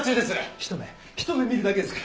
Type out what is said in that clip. ひと目ひと目見るだけですから。